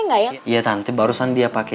iya tante barusan dia pake